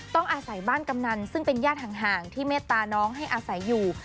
ต้องอาศัยบ้านกำนันซึ่งเป็นญาติห่างที่เมตตาน้องให้อาศัยอยู่